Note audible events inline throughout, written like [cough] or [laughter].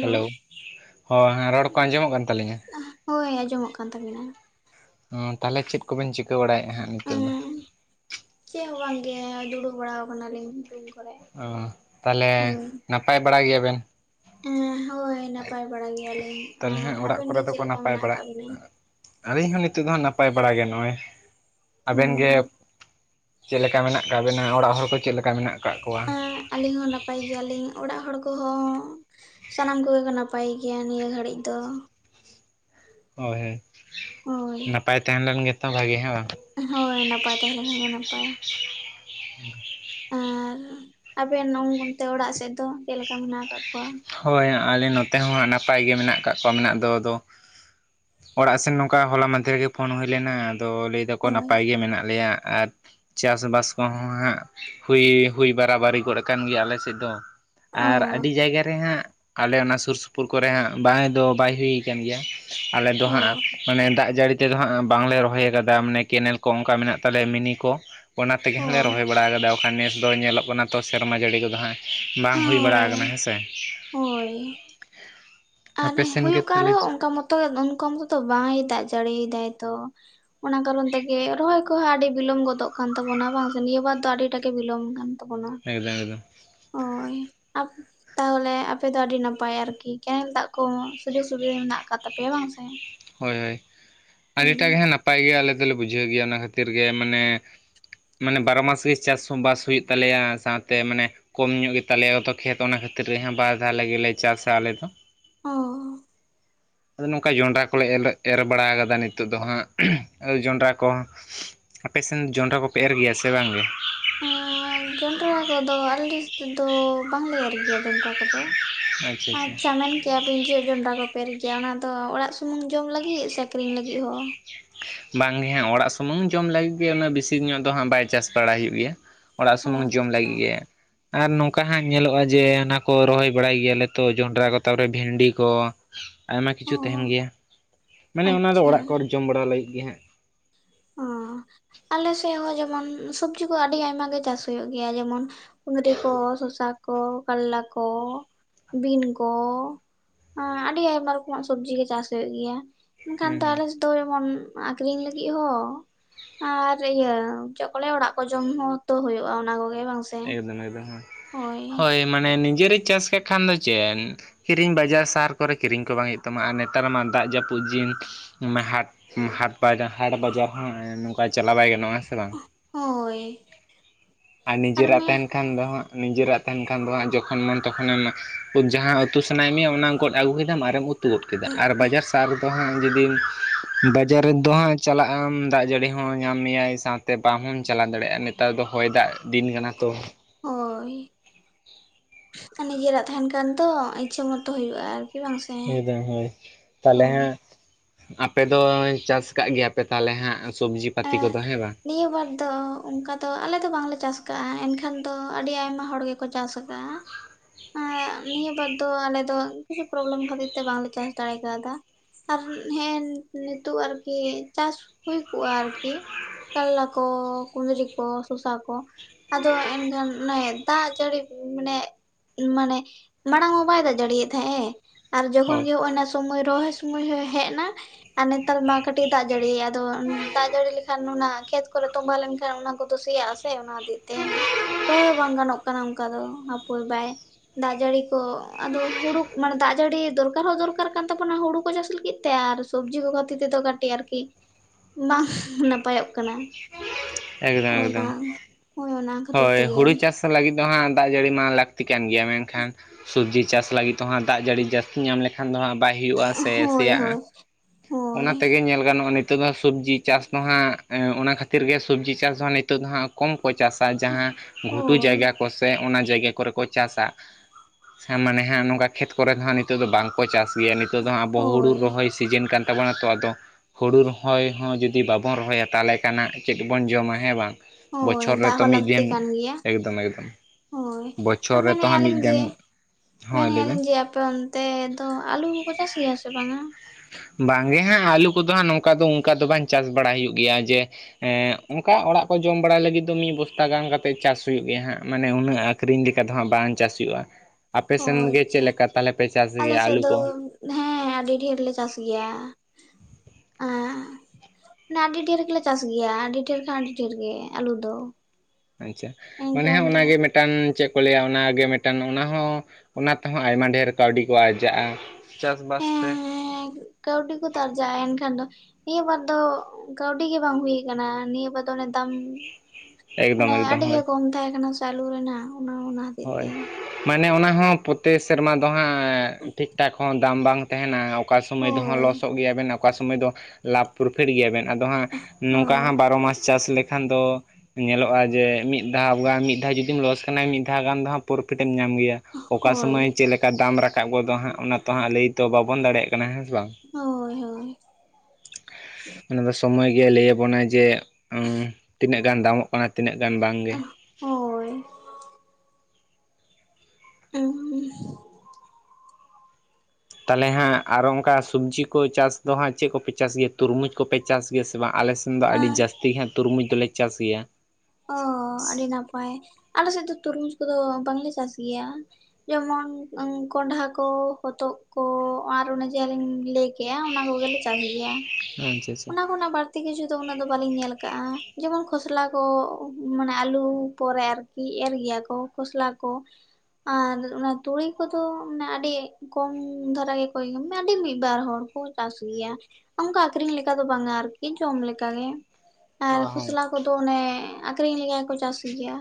Hello, ᱦᱚᱸ ᱦᱮᱸ, ᱨᱚᱲ ᱠᱚ ᱟᱸᱡᱚᱢᱚᱜ ᱠᱟᱱ ᱛᱟᱹᱞᱤᱧᱟ? ᱦᱳᱭ, ᱟᱸᱡᱚᱢᱚᱜ ᱠᱟᱱ ᱛᱟᱵᱤᱱᱟ᱾ ᱚ, ᱛᱟᱦᱞᱮ ᱪᱮᱫ ᱠᱚᱵᱮᱱ ᱪᱤᱠᱟᱹ ᱵᱟᱲᱟᱭᱮᱜᱼᱟ ᱦᱟᱸᱜ ᱱᱤᱛᱚᱝ ᱫᱚ? ᱪᱮᱜ ᱦᱚᱸ ᱵᱟᱝᱜᱮ ᱫᱩᱲᱩᱵ ᱵᱟᱲᱟᱣᱟᱠᱟᱱᱟᱞᱤᱧ ᱱᱤᱛᱳᱝ ᱫᱚ᱾ ᱚ, ᱛᱟᱞᱦᱮ ᱱᱟᱯᱟᱭ ᱵᱟᱲᱟ ᱜᱮᱭᱟᱵᱮᱱ? ᱦᱮᱸ, ᱦᱳᱭ, ᱱᱟᱯᱟᱭ ᱵᱟᱲᱟ ᱜᱮᱭᱟᱞᱤᱧ, ᱟᱻ ᱛᱟᱦᱚᱞᱮ ᱦᱟᱸᱜ ᱚᱲᱟᱜ ᱾ᱟᱵᱮᱱ ᱜᱮ ᱠᱚᱨᱮ ᱪᱮᱫ ᱫᱚᱠᱚ ᱞᱮᱠᱟ ᱱᱟᱯᱟᱭ ᱢᱮᱱᱟᱜ ᱟᱠᱟ ᱵᱟᱲᱟᱜ ᱵᱮᱱᱟ? ᱟᱹᱞᱤᱧ ᱦᱚᱸ ᱱᱤᱛᱚᱜ ᱫᱚ ᱱᱟᱯᱟᱭ ᱵᱟᱲᱟ ᱜᱮ ᱱᱚᱜᱼᱚᱭ, ᱟᱵᱮᱱ ᱦᱩᱸ ᱜᱮ? ᱪᱮᱫ ᱞᱮᱠᱟ ᱢᱮᱱᱟᱜ ᱠᱟᱜ ᱵᱮᱱᱟ? ᱚᱲᱟᱜ ᱦᱚᱲ ᱠᱚ ᱪᱮᱫ ᱞᱮᱠᱟ ᱢᱮᱱᱟᱜ ᱟᱠᱟᱜ ᱠᱚᱣᱟ? ᱟᱸ, ᱟᱹᱞᱤᱧ ᱦᱚᱸ ᱱᱟᱯᱟᱭ ᱜᱮᱭᱟᱞᱤᱧ, ᱚᱲᱟᱜ ᱦᱚᱲ ᱠᱚᱦᱚᱸ ᱥᱟᱱᱟᱢ ᱠᱚᱜᱮ ᱠᱚ ᱱᱟᱯᱟᱭ ᱜᱮᱭᱟ ᱱᱤᱭᱟᱹ ᱜᱷᱟᱹᱲᱤᱡ ᱫᱚ᱾ ᱦᱳᱭ ᱦᱳᱭ, ᱦᱳᱭ ᱱᱟᱯᱟᱭ ᱛᱟᱦᱮᱱ ᱞᱮᱱ ᱜᱮᱛᱚ ᱵᱷᱟᱜᱤ, ᱦᱮᱸ ᱵᱟᱝ? ᱦᱳᱭ, ᱱᱟᱯᱟᱭ ᱛᱟᱦᱮᱸᱞᱮᱠᱷᱟᱱ ᱜᱮ ᱱᱟᱯᱟᱭ᱾ ᱟᱨ ᱟᱵᱮᱱ ᱚᱱᱛᱮ ᱚᱲᱟᱜ ᱥᱮᱫ ᱫᱚ ᱪᱮᱫ ᱞᱮᱠᱟ ᱢᱮᱱᱟᱜ ᱟᱠᱟᱫ ᱠᱚᱣᱟ? ᱦᱳᱭ, ᱟᱞᱮ ᱱᱚᱛᱮ ᱦᱚᱸ ᱦᱟᱸᱜ ᱱᱟᱯᱟᱭ ᱜᱮ ᱢᱮᱱᱟᱜ ᱠᱟᱜ ᱠᱚᱣᱟ ᱢᱮᱱᱟᱜ ᱫᱚ, ᱟᱫᱚ ᱚᱲᱟᱜ ᱥᱮᱱ ᱱᱚᱝᱠᱟ ᱦᱚᱞᱟ ᱢᱟᱫᱷᱮᱨ ᱜᱮ ᱯᱷᱳᱱ ᱦᱩᱭ ᱞᱮᱱᱟ, ᱟᱫᱚ ᱞᱟᱹᱭ ᱫᱟᱠᱚ ᱦᱳᱭ ᱱᱟᱯᱟᱭ ᱜᱮ ᱢᱮᱱᱟᱜ ᱞᱮᱭᱟ ᱟᱨ ᱪᱟᱥᱵᱟᱥ ᱠᱚᱦᱚᱸ ᱦᱟᱸᱜ ᱦᱩᱭ ᱦᱩᱭ ᱵᱟᱨᱟᱵᱟᱨᱤ ᱜᱚᱫ ᱟᱠᱟᱱ ᱜᱮᱭᱟ ᱟᱞᱮ ᱥᱮᱫ ᱫᱚ᱾ ᱟᱨ ᱚ ᱟᱹᱰᱤ ᱡᱟᱭᱜᱟ ᱨᱮ ᱦᱟᱸᱜ ᱟᱞᱮ ᱚᱱᱟ ᱥᱩᱨ ᱥᱩᱯᱩᱨ ᱠᱚᱨᱮ ᱦᱟᱸᱜ ᱵᱟᱭ ᱫᱚ ᱵᱟᱭ ᱦᱩᱭ ᱟᱠᱟᱱ ᱜᱮᱭᱟ᱾ ᱟᱞᱮ ᱫᱚ ᱦᱟᱸᱜ ᱚ ᱢᱟᱱᱮ ᱫᱟᱜ ᱡᱟᱹᱲᱤ ᱛᱮ ᱫᱚ ᱦᱟᱸᱜ ᱵᱟᱝᱞᱮ ᱨᱚᱦᱚᱭ ᱟᱠᱟᱫᱟ ᱢᱟᱱᱮ ᱠᱮᱱᱮᱞ ᱠᱚ ᱚᱝᱠᱟ ᱢᱮᱱᱟᱜ ᱛᱟᱞᱮᱭᱟ ᱢᱤᱱᱤ ᱠᱚ᱾ ᱚᱱᱟ ᱛᱮᱜᱮ ᱦᱚᱸᱞᱮ ᱨᱚᱦᱚᱭ ᱚ ᱵᱟᱲᱟ ᱠᱟᱫᱟ᱾ ᱠᱷᱟᱱ ᱱᱮᱥ ᱫᱚ ᱧᱮᱞᱚᱜ ᱠᱟᱱᱟ ᱛᱚ ᱥᱮᱨᱢᱟ ᱡᱟᱹᱲᱤ ᱠᱚᱫᱚ ᱦᱟᱸᱜ ᱵᱟᱝ ᱦᱩᱭ ᱵᱟᱲᱟ ᱟᱠᱟᱱᱟ, ᱦᱳᱭ ᱦᱮᱸ ᱥᱮ? ᱦᱳᱭ, ᱟᱨ ᱟᱯᱮ ᱥᱮᱱ ᱜᱮ ᱦᱩᱭᱩᱜ ᱠᱟᱱ ᱛᱟᱦᱚᱞᱮ ᱨᱮᱦᱚᱸ ᱚᱱᱠᱟ ᱢᱚ ᱛᱚ [unintelligible] ᱠᱚ ᱫᱚ ᱵᱟᱭ ᱫᱟᱜ ᱡᱟᱹᱲᱤᱭ ᱫᱟᱭ ᱛᱚ ᱚᱱᱟ ᱠᱟᱨᱚᱱ ᱛᱮᱜ ᱨᱚᱦᱚᱭ ᱠᱚᱦᱚᱸ ᱟᱹᱰᱤ ᱵᱤᱞᱚᱢ ᱜᱚᱫᱚᱜ ᱠᱟᱱ ᱛᱟᱵᱚᱱᱟ ᱵᱟᱝᱥᱮ? ᱱᱤᱭᱟᱹ ᱵᱟᱨ ᱫᱚ ᱟᱹᱰᱤᱴᱟᱜ ᱜᱮ ᱵᱤᱞᱚᱢ ᱠᱟᱱ ᱛᱟᱵᱚᱱᱟ᱾ ᱮᱠᱫᱚᱢ ᱮᱠᱫᱚᱢ᱾ ᱦᱳᱭ [unintelligible] ᱛᱟᱦᱚᱞᱮ ᱟᱯᱮ ᱫᱚ ᱟᱹᱰᱤ ᱱᱟᱯᱟᱭ ᱟᱨᱠᱤ ᱠᱮᱱᱮᱞ ᱫᱟᱜ ᱠᱚ ᱥᱩᱡᱳᱜᱽ ᱥᱩᱵᱤᱫᱷᱟ ᱢᱮᱱᱟᱜ ᱟᱠᱟᱫ ᱛᱟᱯᱮᱭᱟ, ᱵᱟᱝ ᱥᱮ? ᱦᱳᱭ ᱦᱳᱭ, ᱟᱹᱰᱤᱴᱟ ᱜᱮ ᱦᱟᱸᱜ ᱱᱟᱯᱟᱭ ᱜᱮᱭᱟ, ᱟᱞᱮ ᱫᱚᱞᱮ ᱵᱩᱡᱷᱟᱹᱣ ᱜᱮᱭᱟ, ᱚᱱᱟ ᱠᱷᱟᱹᱛᱤᱨ ᱜᱮ ᱢᱟᱱᱮ ᱢᱟᱱᱮ ᱵᱟᱨᱚ ᱢᱟᱥ ᱜᱮ ᱪᱟᱥ ᱵᱟᱥ ᱦᱩᱭᱩᱜ ᱛᱟᱞᱮᱭᱟ, ᱥᱟᱶᱛᱮ ᱢᱟᱱᱮ ᱠᱚᱢ ᱧᱚᱜ ᱜᱮᱛᱟᱞᱮᱭᱟ ᱛᱚ ᱠᱷᱮᱛ ᱚᱱᱟ ᱠᱷᱟᱹᱛᱤᱨ ᱨᱮᱦᱚᱸ ᱵᱟᱨ ᱫᱷᱟᱹᱣ ᱟᱞᱮ ᱜᱮᱞᱮ ᱪᱟᱥᱟ ᱟᱞᱮ ᱫᱚ᱾ ᱚ ᱚᱱ ᱚᱝᱠᱟ ᱡᱚᱸᱰᱨᱟ ᱠᱚᱞᱮ ᱮᱨ, ᱮᱨ ᱵᱟᱲᱟ ᱠᱟᱫᱟ ᱱᱤᱛᱚᱜ ᱫᱚ ᱦᱟᱸᱜ, ᱟᱹ ᱡᱚᱸᱰᱨᱟ ᱠᱚ ᱟᱯᱮ ᱥᱮᱱ ᱡᱚᱸᱰᱨᱟ ᱠᱚᱯᱮ ᱮᱨ ᱜᱮᱭᱟ ᱥᱮ ᱵᱟᱝᱜᱮ ᱮᱸᱻ ᱡᱚᱸᱰᱨᱟ ᱠᱚᱫᱚ ᱟᱞᱮ ᱥᱮᱫᱚ ᱵᱟᱝᱞᱮ ᱮᱨ ᱜᱮᱭᱟ ᱡᱚᱸᱰᱨᱟ ᱠᱚᱫᱚ᱾ ᱟᱪᱪᱷᱟ ᱢᱮᱱ ᱟᱯᱮ [unintelligible] ᱡᱚᱸᱰᱨᱟ ᱠᱚ ᱯᱮ ᱮᱨ ᱜᱮᱭᱟ ᱚᱱᱟ ᱫᱚ ᱚᱲᱟᱜ ᱥᱩᱢᱩᱝ ᱡᱚᱢ ᱞᱟᱹᱜᱤᱫ ᱥᱮ ᱟᱠᱷᱟᱨᱤᱧ ᱞᱟᱹᱜᱤᱫ ᱦᱚᱸ ᱵᱟᱝᱜᱮ ᱦᱟᱸᱜ ᱚᱲᱟᱜ ᱥᱩᱢᱩᱝ ᱡᱚᱢ ᱞᱟᱹᱜᱤᱫ ᱜᱮ ᱩᱱᱟᱹᱜ ᱵᱤᱥᱤ ᱧᱚᱜ ᱫᱚ ᱦᱟᱸᱜ ᱵᱟᱭ ᱪᱟᱥ ᱵᱟᱲᱟᱭ ᱦᱩᱭᱩᱜ ᱜᱮᱭᱟ᱾ ᱚᱲᱟᱜ ᱚ ᱥᱩᱢᱩᱝ ᱡᱚᱢ ᱟᱪᱪᱷᱟ ᱞᱟᱹᱜᱤᱫ ᱜᱮ᱾ ᱟᱨ ᱱᱚᱝᱠᱟ ᱦᱟᱸᱜ ᱧᱮᱞᱚᱜᱼᱟ ᱡᱮ ᱚᱱᱟ ᱠᱚ ᱨᱚᱦᱚᱭ ᱵᱟᱲᱟᱭ ᱜᱮᱭᱟᱞᱮ ᱛᱚ ᱡᱚᱸᱰᱨᱟ ᱠᱚ, ᱛᱟᱨᱯᱚᱨᱮ ᱵᱷᱮᱱᱰᱤ ᱠᱚ᱾ ᱟᱭᱢᱟ ᱚ ᱠᱤᱪᱷᱩ ᱛᱟᱦᱮᱱ ᱜᱮᱭᱟ ᱢᱟᱱᱮ ᱚᱱᱟ ᱫᱚ ᱟᱪᱪᱷᱟ ᱚᱲᱟᱜ ᱠᱚ ᱨᱮ ᱡᱚᱢ ᱵᱟᱲᱟ ᱞᱟᱹᱜᱤᱫ ᱜᱮ ᱦᱟᱸᱜ᱾ ᱚᱸ ᱟᱞᱮ ᱥᱮᱫ ᱦᱚᱸ ᱡᱮᱢᱚᱱ ᱥᱚᱵᱽᱡᱤ ᱠᱚ ᱟᱹᱰᱤ ᱟᱭᱢᱟ ᱜᱮ ᱪᱟᱥ ᱦᱩᱭᱩᱜ ᱜᱮᱭᱟ᱾ ᱡᱮᱢᱚᱱ ᱠᱩᱸᱫᱽᱨᱤ ᱠᱚ, ᱥᱚᱥᱟ ᱠᱚ, ᱠᱟᱞᱞᱟ ᱠᱚ, ᱵᱤᱢ ᱠᱚ᱾ ᱟᱸᱻ ᱟᱹᱰᱤ ᱟᱭᱢᱟ ᱨᱚᱠᱚᱢᱟᱜ ᱥᱚᱵᱽᱡᱤ ᱜᱮ ᱪᱟᱥ ᱦᱩᱭᱩᱜ ᱜᱮᱭᱟ, ᱢᱮᱱᱱᱠᱷᱟᱱ ᱦᱩᱸ ᱫᱚ ᱦᱩᱸ ᱟᱞᱮ ᱥᱮᱫ ᱫᱚ ᱡᱮᱢᱚᱱ ᱟᱠᱷᱨᱤᱧ ᱞᱟᱹᱜᱤᱫ ᱮᱦᱚ ᱟᱨ ᱤᱭᱟᱹ ᱪᱮᱫ ᱠᱚ ᱞᱮᱭᱟ ᱚᱲᱟᱜ ᱠᱚ ᱡᱚᱢ ᱦᱚᱸ ᱛᱚ ᱦᱳᱭᱳᱜᱼᱟ ᱚᱱᱟ ᱠᱚᱜᱮ ᱵᱟᱝ ᱥᱮ? ᱮᱠᱫᱚᱢ ᱮᱠᱫᱚᱢ ᱦᱳᱭ ᱢᱟᱱᱮ ᱱᱤᱡᱮᱨᱮᱡ ᱪᱟᱥ ᱠᱟᱜ ᱠᱷᱟᱱ ᱫᱚ ᱪᱮᱫ ᱠᱤᱨᱤᱧ ᱵᱟᱡᱟᱨ ᱥᱟᱨ ᱠᱚᱨᱮ ᱠᱤᱨᱤᱧ ᱠᱚ ᱵᱟᱝ ᱦᱩᱭᱩᱜ ᱛᱟᱢᱟ ᱟᱨ ᱱᱮᱛᱟᱨ ᱢᱟ ᱫᱟᱜ ᱡᱟᱹᱯᱩᱫ ᱡᱤᱱ᱾ ᱚᱱᱟ ᱦᱟᱴ, ᱦᱟᱴ ᱵᱟ ᱦᱟᱴ ᱵᱟᱡᱟᱨ ᱦᱚᱸ ᱱᱚᱝᱠᱟ ᱪᱟᱞᱟᱣ ᱵᱟᱭ ᱜᱟᱱᱚᱜᱼᱟ ᱥᱮ ᱵᱟᱝ ᱦᱳᱭᱻ ᱟᱨ ᱚᱱᱮ ᱮᱱᱠᱷᱟᱱ ᱫᱚ ᱦᱟᱸᱜ ᱱᱤᱡᱮᱨᱟᱜ ᱛᱟᱦᱮᱱ ᱠᱷᱟᱱ ᱫᱚ ᱦᱟᱸᱜ ᱡᱚᱠᱷᱚᱱ ᱢᱚᱱ ᱛᱚᱠᱷᱚᱱᱮᱢ ᱡᱟᱦᱟᱸ ᱩᱛᱩ ᱥᱟᱱᱟᱭᱮᱫ ᱢᱮᱭᱟ ᱚᱱᱟ ᱜᱚᱫ ᱟᱹᱜᱩ ᱠᱮᱫᱟᱢ ᱟᱨᱮᱢ ᱩᱛᱩ ᱜᱚᱫ ᱠᱮᱫᱟ ᱟᱨ ᱵᱟᱡᱟᱨ ᱥᱟᱨ ᱨᱮᱫᱚ ᱦᱟᱸᱜ ᱡᱩᱫᱤᱢ ᱵᱟᱡᱟᱨ ᱨᱮ ᱫᱚ ᱦᱟᱸᱜ ᱪᱟᱞᱟᱜ ᱟᱢ ᱫᱟᱜ ᱡᱟᱹᱲᱤ ᱦᱚᱸ ᱧᱟᱢ ᱢᱮᱭᱟᱭ ᱥᱟᱶᱛᱮ ᱵᱟ ᱦᱚᱸᱢ ᱪᱟᱞᱟᱣ ᱫᱟᱲᱮᱭᱟᱜᱼᱟ ᱱᱤᱛ ᱱᱮᱛᱟᱨ ᱫᱚ ᱦᱚᱭ ᱫᱟᱜ ᱫᱤᱱ ᱠᱟᱱᱟ ᱛᱚ᱾ ᱦᱳᱭ, ᱱᱤᱡᱮᱨᱟᱜ ᱛᱟᱦᱮᱱ ᱠᱷᱟᱱ ᱫᱚ ᱤᱪᱪᱷᱟᱹ ᱢᱚᱛᱚ ᱦᱩᱭᱩᱜᱼᱟ ᱟᱨ [unintelligible] ᱦᱳᱭ ᱛᱟᱞᱦᱮ ᱦᱟᱸᱜ ᱟᱯᱮ ᱫᱚ ᱪᱟᱥ ᱠᱟᱜ ᱜᱮᱭᱟᱯᱮ ᱛᱟᱞᱦᱮ ᱦᱟᱸᱜ ᱥᱚᱵᱽᱡᱤ ᱯᱟᱹᱛᱤ ᱮᱸᱜ ᱠᱚᱫᱚ ᱦᱮᱸ ᱵᱟᱝ? ᱱᱤᱭᱟᱹ ᱵᱟᱨ ᱫᱚ ᱚᱱᱠᱟ ᱫᱚ ᱟᱞᱮ ᱫᱚ ᱵᱟᱝᱞᱮ ᱪᱟᱥ ᱟᱠᱟᱜᱼᱟ ᱮᱱᱠᱷᱟᱱ ᱫᱚ ᱟᱹᱰᱤ ᱟᱭᱢᱟ ᱦᱚᱲ ᱜᱮᱠᱚ ᱪᱟᱥ ᱠᱟᱜ-ᱟ᱾ [inaudible] ᱮᱸᱜ ᱱᱤᱭᱟᱹ ᱵᱟᱨ ᱫᱚ ᱟᱞᱮ ᱫᱚ ᱠᱤᱪᱷᱩ ᱯᱨᱚᱵᱽᱞᱮᱢ ᱠᱷᱟᱹᱛᱤᱨ ᱛᱮ ᱵᱟᱝᱞᱮ ᱪᱟᱥ ᱫᱟᱲᱮ ᱠᱟᱣᱫᱟ᱾ ᱟᱨ ᱱᱮᱜ-ᱮ ᱱᱤᱛᱳᱜ ᱟᱨᱠᱤ ᱪᱟᱥ ᱦᱩᱭ ᱠᱚᱜᱼᱟ ᱟᱨᱠᱤ ᱠᱟᱞᱞᱟ ᱠᱚ, ᱠᱩᱸᱫᱽᱨᱤ ᱠᱚ, ᱥᱚᱥᱟ ᱠᱚ ᱟᱫᱚ ᱮᱱᱠᱷᱟᱱ ᱚᱱᱮ ᱫᱟᱜ ᱡᱟᱹᱲᱤ ᱢᱟᱱᱮ ᱢᱟᱱᱮ ᱢᱟᱲᱟᱝ ᱢᱟ ᱵᱟᱭ ᱫᱟᱜ ᱡᱟᱲᱤᱭᱮᱫ ᱛᱟᱦᱮᱸᱜ, ᱟᱨ ᱡᱚᱠᱷᱚᱱ ᱦᱳᱭ ᱜᱮ ᱱᱚᱜ-ᱚᱭ ᱱᱮᱥ ᱥᱚᱢᱚᱭ ᱨᱚᱦᱚᱭ ᱥᱩᱢᱚᱭ ᱦᱚᱸᱭ ᱦᱮᱡ ᱮᱱᱟ ᱟᱨ ᱱᱮᱛᱟᱨ ᱢᱟ ᱠᱟᱹᱴᱤᱡ ᱫᱟᱜ ᱡᱟᱹᱲᱤᱭ ᱟᱫᱚ ᱫᱟᱜ ᱡᱟᱹᱲᱤ ᱞᱮᱠᱷᱟᱱ ᱚᱱᱟ ᱠᱷᱮᱛ ᱠᱚᱨᱮ ᱛᱳᱸᱵᱟ ᱞᱮᱱ ᱠᱷᱟᱱ ᱚᱱᱟ ᱠᱚᱫᱚ ᱥᱮᱭᱟ ᱟᱥ ᱥᱮ ᱚᱱᱟ ᱦᱚᱛᱮᱡ ᱛᱮ ᱨᱚᱦᱚᱭ ᱦᱚᱸ ᱵᱟᱝ ᱜᱟᱱᱚᱜ ᱠᱟᱱᱟ ᱚᱱᱠᱟ ᱫᱚ ᱦᱟᱯᱟ. ᱭ ᱵᱟᱭ ᱫᱟᱜ ᱡᱟᱹᱲᱤ ᱠᱚ ᱟᱫᱚ ᱦᱩᱲᱩ ᱢᱟᱱᱮ ᱫᱟᱜ ᱡᱟᱹᱲᱤ ᱫᱚᱨᱠᱟᱨ ᱦᱚᱸ ᱫᱚᱨᱠᱟᱨ ᱠᱟᱱ ᱛᱟᱵᱚᱱᱟ ᱦᱩᱲᱩ ᱠᱚ ᱪᱟᱥ ᱞᱟᱹᱜᱤᱫ ᱛᱮ ᱟᱨ ᱥᱚᱵᱽᱡᱤ ᱠᱚ ᱠᱷᱟ. ᱛᱤᱨ ᱛᱮ ᱫᱚ ᱠᱟ. ᱴᱤᱡ ᱟᱨᱠᱤ ᱵᱟᱝ ᱱᱟᱯᱟᱭᱚᱜ ᱠᱟᱱᱟ ᱾ ᱮᱠᱫᱚᱢ - ᱮᱠᱫᱚᱢ ᱦᱳᱭ ᱚᱱᱟ ᱠᱷᱟᱹᱛᱤᱨ ᱦᱳᱭ ᱛᱮᱜᱮ ᱦᱩᱲᱩ ᱪᱟᱥ ᱞᱟᱹᱜᱤᱫ ᱫᱚ ᱦᱟᱸᱜ ᱫᱟᱜ ᱡᱟᱹᱲᱤ ᱢᱟ ᱞᱟᱹᱠᱛᱤ ᱠᱟᱱ ᱜᱮᱭᱟ ᱢᱮᱱᱠᱷᱟᱱ ᱥᱚᱵᱽᱡᱤ ᱪᱟᱥ ᱞᱟᱹᱜᱤᱫ ᱛᱮᱦᱚᱸ ᱫᱟᱜ ᱡᱟᱹᱲᱤ ᱡᱟᱹᱥᱛᱤ ᱧᱟᱢ ᱞᱮᱠᱷᱟᱱ ᱫᱚ ᱦᱟᱸᱜ ᱵᱟᱭᱼᱼ ᱦᱩᱭᱩᱜᱼᱟ ᱥᱮ ᱦᱳᱭ ᱥᱮᱭᱟᱜᱼᱟ ᱦᱳᱭ ᱦᱳᱭ ᱚᱱᱟ ᱛᱮᱜᱮ ᱧᱮᱞ ᱜᱟᱱᱚᱜ-ᱟ ᱱᱤᱛᱼᱼ ᱱᱤᱛᱚᱜ ᱫᱚ ᱥᱚᱵᱽᱡᱤ ᱪᱟᱥᱫᱚ ᱦᱟᱸᱜ ᱚᱱᱟ ᱠᱷᱟᱹᱛᱤᱨ ᱜᱮ ᱥᱚᱵᱽᱡᱤ ᱪᱟᱥᱫᱚ ᱱᱤᱛᱚᱜ ᱫᱚ ᱦᱟᱸᱜ ᱠᱚᱢ ᱠᱚ ᱪᱟᱥᱟ ᱡᱟᱦᱟᱸ ᱜᱷᱩᱴᱩ ᱦᱳᱭ ᱡᱟᱭᱜᱟ ᱠᱚᱼᱼ ᱥᱮ ᱚᱱᱟ ᱡᱟᱭᱜᱟ ᱠᱚᱨᱮ ᱠᱚ ᱪᱟᱥᱟ, ᱢᱟᱱᱮ ᱦᱟᱸᱜ ᱱᱚᱝᱠᱟ ᱠᱷᱮᱛ ᱠᱚᱨᱮ ᱫᱚ ᱦᱟᱸᱜᱼᱼ ᱱᱤᱛᱚᱜ ᱫᱚ ᱵᱟᱝᱠᱚ ᱪᱟᱥ ᱜᱮᱭᱟ, ᱱᱤᱛᱚᱜ ᱫᱚ ᱦᱟᱸᱜ ᱟᱵᱚ ᱦᱩᱲᱩ ᱦᱳᱭ ᱨᱚᱦᱚᱭᱼᱼ ᱥᱤᱡᱮᱱ ᱠᱟᱱ ᱛᱟᱵᱚᱱᱟ ᱛᱚ ᱟᱫᱚ ᱦᱩᱲᱩ ᱨᱚᱦᱚᱭ ᱦᱚᱸ ᱡᱩᱫᱤ ᱵᱟᱵᱚᱱ ᱨᱚᱦᱚᱭᱟ ᱛᱟᱦᱚᱞᱮ ᱠᱷᱟᱱᱟᱜ ᱪᱮᱫ ᱵᱚᱱ ᱡᱚᱢᱟ ᱦᱮᱸ ᱵᱟᱝ ᱦᱳᱭ ᱵᱚᱪᱷᱚᱨ ᱫᱟᱜ ᱨᱮᱛᱚ ᱦᱚᱸ ᱢᱤᱫ ᱞᱟᱹᱠᱛᱤ ᱫᱤᱱ ᱠᱟᱱ ᱜᱮᱭᱟ ᱮᱠᱫᱚᱢ-ᱮᱠᱫᱚᱢᱼᱼ ᱦᱳᱭ ᱵᱚᱪᱷᱚᱨ ᱟᱨ ᱨᱮᱛᱚ ᱢᱮᱱᱮᱫᱼᱟ ᱦᱟᱸᱜ ᱢᱤᱫ ᱞᱤᱧ ᱫᱤᱱ ᱡᱮ ᱢᱮᱱᱮᱫᱼᱟ ᱞᱤᱧ ᱡᱮ ᱟᱯᱮ ᱚᱱᱛᱮ ᱫᱚ ᱟᱹᱞᱩ ᱠᱚᱠᱚ ᱪᱟᱥ ᱜᱮᱭᱟ ᱥᱮ ᱵᱟᱝᱟ? ᱵᱟᱝᱜᱮ ᱦᱟᱸᱜ ᱟ. ᱞᱩ ᱠᱚᱫᱚ ᱦᱟᱸᱜ ᱱᱚᱝᱠᱟ ᱫᱚ ᱚᱱᱠᱟ ᱫᱚ ᱵᱟᱝ ᱪᱟᱥ ᱵᱟᱲᱟ ᱦᱩᱭᱩᱜ ᱜᱮᱭᱟ ᱡᱮᱼᱼ ᱮᱸ ᱚᱱᱠᱟ ᱚᱲᱟᱜ ᱠᱚ ᱡᱚᱢ ᱵᱟᱲᱟ ᱞᱟᱹᱜᱤᱫ ᱫᱚ ᱢᱤᱫ ᱵᱚᱥᱛᱟ ᱜᱟᱱ ᱠᱟᱛᱮᱜ ᱪᱟᱥ ᱦᱩᱭᱩᱜ ᱜᱮᱭᱟ ᱦᱟᱸᱜ ᱢᱟᱱᱮ ᱩᱱᱟᱹᱜᱼᱼ ᱟᱹᱠᱷᱨᱤᱧ ᱞᱮᱠᱟ ᱫᱚ ᱦᱟᱸᱜ ᱵᱟᱝ ᱪᱟᱥ ᱦᱩᱭᱩᱜᱼᱟ ᱟᱯᱮ ᱚ ᱥᱮᱱ ᱜᱮ ᱪᱮᱫ ᱟᱪᱪᱷᱟ ᱞᱮᱠᱟ ᱛᱟᱦᱚᱞᱮ ᱯᱮ ᱪᱟᱥ ᱟᱞᱮ ᱜᱮᱭᱟ ᱥᱮᱫ ᱟᱹᱞᱩ ᱫᱚ ᱠᱚ? ᱦᱮᱸ ᱟᱹᱰᱤ ᱰᱷᱮᱨ ᱞᱮ ᱪᱟᱥ ᱜᱮᱭᱟ᱾ ᱟᱹᱰᱤ ᱰᱷᱮᱨ ᱜᱮᱞᱮ ᱪᱟᱥ ᱜᱮᱭᱟ ᱟᱹᱰᱤ ᱰᱷᱮᱨ ᱠᱷᱟᱱ ᱟᱹᱰᱤ ᱰᱷᱮᱨ ᱜᱮ ᱟ. ᱞᱩ ᱫᱚ ᱾ ᱟᱪᱷᱟ ᱢᱟᱱᱮ ᱦᱮᱸ ᱚᱱᱟᱜᱮ ᱢᱤᱫᱼᱼ ᱢᱤᱫᱴᱟᱱ ᱪᱮᱫ ᱠᱚ ᱞᱟᱹᱭᱟ ᱚᱱᱟᱜᱮ ᱢᱤᱫᱴᱟᱝ ᱚᱱᱟ ᱦᱚᱸ ᱚᱱᱟ ᱛᱮᱦᱚᱸ ᱟᱭᱢᱟ ᱰᱷᱮᱨ ᱠᱟᱹᱣᱰᱤ ᱠᱚ ᱟᱨᱡᱟᱜᱼᱟ ᱾ ᱪᱟᱥᱵᱟᱥ ᱛᱮ᱾ ᱦᱮᱸ ᱠᱟᱹᱣᱰᱤ ᱠᱚᱫᱚ ᱟᱨᱡᱟᱼᱟ ᱮᱱᱠᱷᱟᱱ ᱫᱚᱼᱼ ᱱᱤᱭᱟᱹ ᱵᱟᱨ ᱫᱚ ᱠᱟᱹᱣᱰᱤ ᱜᱮ ᱵᱟᱝ ᱦᱩᱭ ᱟᱠᱟᱱᱟ ᱱᱤᱭᱟᱹ ᱵᱟᱨ ᱫᱚ ᱚᱱᱮ ᱫᱟᱢᱼᱼ ᱮᱠᱫᱚᱢ ᱢᱟᱱᱮ ᱮᱠᱫᱚᱢ ᱟᱹᱰᱤ ᱜᱮ ᱦᱳᱭ ᱠᱚᱢ ᱛᱟᱦᱮᱸᱠᱟᱱᱟ ᱥᱮ ᱟᱹᱞᱩ ᱨᱮᱱᱟᱜ ᱚᱱᱟ, ᱚᱱᱟ ᱦᱚᱛᱮᱡ ᱦᱳᱭ ᱛᱮ᱾ ᱢᱟᱱᱮ ᱚᱱᱟ ᱦᱚᱸ ᱯᱚᱛᱮ ᱥᱮᱨᱢᱟ ᱫᱚ ᱦᱟᱸᱜ ᱴᱷᱤᱠ ᱴᱷᱟᱠ ᱦᱚᱸ ᱫᱟᱢ ᱵᱟᱝᱼᱼ ᱛᱟᱦᱮᱱᱟ ᱚᱠᱟ ᱥᱩᱢᱚᱭ ᱫᱚᱦ ᱦᱳᱭ ᱞᱚᱥᱚᱜ ᱜᱮᱭᱟᱵᱱ ᱚᱠᱟ ᱥᱚᱢᱚᱭ ᱫᱚ ᱞᱟᱵᱷ ᱯᱨᱚᱯᱷᱤᱴ ᱜᱮᱭᱟᱵᱱ᱾ ᱟᱫᱚ ᱦᱟᱸᱜ ᱦᱳᱭ ᱱᱚᱝᱠᱟ ᱦᱟᱸᱜ ᱵᱟᱨᱚ ᱢᱟᱥᱼᱼ ᱪᱟᱥ ᱞᱮᱠᱷᱟᱱ ᱫᱚ ᱧᱮᱞᱚᱜᱼᱟ ᱡᱮ ᱢᱤᱫ ᱫᱷᱟᱣ ᱜᱟᱱ ᱢᱤᱫ ᱫᱷᱟᱣ ᱡᱩᱫᱤᱢ ᱞᱚᱥ ᱠᱷᱟᱱᱮᱢ ᱢᱤᱫ ᱫᱷᱟᱼᱼ ᱫᱷᱟᱣ ᱜᱟᱱ ᱫᱚ ᱦᱟᱸᱜ ᱯᱨᱚᱯᱷᱤᱴ ᱮᱢ ᱧᱟᱢ ᱜᱮᱭᱟ ᱚᱠᱟ ᱦᱳᱭ ᱥᱚᱢᱚᱭ ᱪᱮᱫ ᱞᱮᱠᱟᱼᱼ ᱞᱮᱠᱟ ᱫᱟᱢ ᱨᱟᱠᱟᱵ ᱜᱚᱫᱚᱜ ᱟᱦᱟᱸᱜ ᱚᱱᱟ ᱛᱚᱦᱟᱸᱜ ᱞᱟᱹᱭ ᱛᱚ ᱵᱟᱵᱚᱱ ᱫᱟᱲᱮᱭᱟᱜ ᱠᱟᱱᱟ ᱦᱮᱸ ᱥᱮ ᱵᱟᱝ᱾ ᱦᱳᱭ-ᱦᱳᱭ ᱾ ᱚᱱᱟ ᱫᱚ ᱥᱚᱢᱚᱭ ᱜᱮ ᱞᱟᱹᱭᱟᱵᱚᱱᱟᱭ ᱡᱮᱼᱼ ᱩᱸ ᱛᱤᱱᱟᱹᱜ ᱜᱟᱱ ᱫᱟᱢᱚᱜ ᱠᱟᱱᱟ ᱛᱤᱱᱟᱹᱜ ᱜᱟᱱ ᱵᱟᱝᱜᱮ? ᱦᱳᱭ ᱾ ᱦᱩᱸ᱾ ᱛᱟᱦᱚᱞᱮ ᱦᱟᱸᱜ ᱟᱨᱚ ᱚᱱᱠᱟ ᱥᱚᱵᱽᱡᱤ ᱠᱚ ᱪᱟᱥ ᱫᱚ ᱦᱟᱸᱜ ᱪᱮᱫ ᱠᱚᱯᱮ ᱪᱟᱥ ᱜᱮᱭᱟ ᱛᱩᱨᱢᱩᱡᱽ ᱠᱚᱯᱮᱼᱼ ᱪᱟᱥ ᱜᱮᱭᱟ ᱥᱮ ᱵᱟᱝ ᱟᱞᱮ ᱥᱮᱱ ᱫᱚ ᱟᱹᱰᱤ ᱟᱨ ᱡᱟᱹᱥᱛᱤ ᱜᱮ ᱦᱟᱸᱜ ᱛᱩᱨᱢᱩᱡᱽ ᱫᱚᱞᱮ ᱪᱟᱥ ᱜᱮᱭᱟ ᱾ ᱚ ᱟᱹᱰᱤ ᱱᱟᱯᱟᱭ ᱟᱞᱮ ᱥᱮᱫ ᱫᱚ ᱛᱩᱨᱢᱩᱡᱽ ᱠᱚᱫᱚ ᱵᱟᱝᱞᱮ ᱪᱟᱥ ᱜᱮᱭᱟ ᱾ ᱡᱮᱢᱚᱱ ᱠᱚᱸᱰᱷᱟ ᱠᱚ ᱦᱚᱛᱚᱫ ᱠᱚ ᱟᱨ ᱚᱱᱮ ᱡᱮᱧ ᱞᱟᱹᱭ ᱠᱮᱫ᱾ ᱠᱮᱼᱟ ᱚᱱᱟ ᱠᱚᱜᱮᱞᱮ ᱪᱟᱥ ᱜᱮᱭᱟ ᱾ ᱟᱪᱷᱟ-ᱟᱪᱷᱟ᱾ ᱚᱱᱟ ᱵᱟᱹᱲᱛᱤ ᱠᱤᱪᱷᱩ ᱫᱚ ᱩᱱᱟᱹᱜ ᱫᱚ ᱵᱟᱟᱹᱞᱤᱧ ᱧᱮᱞ ᱟᱠᱟᱜᱼᱟ ᱡᱮᱢᱚᱱ ᱠᱷᱚᱥᱞᱟ ᱠᱚ ᱢᱟᱱᱮ ᱟᱞᱩ ᱯᱚᱨᱮ ᱟᱨᱠᱤ ᱠᱤ ᱮᱨ ᱜᱮᱭᱟ ᱠᱚ ᱠᱷᱚᱥᱞᱟ ᱠᱚᱼᱼ ᱟᱨ ᱚᱱᱟ ᱛᱩᱲᱤ ᱠᱚᱫᱚ ᱢᱟᱱᱮ ᱟᱹᱰᱤ ᱠᱚᱢ ᱫᱷᱟᱨᱟ ᱜᱮᱠᱚ ᱢᱟᱱᱮ ᱟᱹᱰᱤ ᱢᱤᱫ ᱵᱟᱨ ᱦᱚᱲ᱾ ᱠᱚ ᱪᱟᱥ ᱜᱮᱭᱟ ᱟᱱᱠᱟ ᱟᱠᱷᱨᱤᱧ ᱞᱮᱠᱟ ᱫᱚ ᱵᱟᱝᱟ ᱟᱨᱠᱤ ᱡᱚᱢ ᱞᱮᱠᱟᱜ ᱜᱮ, ᱚ ᱟᱨ ᱦᱚᱸ ᱠᱷᱚᱥᱞᱟ ᱠᱚᱫᱚ ᱚᱱᱮ ᱟᱠᱷᱨᱤᱧ ᱞᱮ ᱞᱮᱠᱟ ᱠᱚ ᱪᱟᱥ ᱜᱮᱭᱟ᱾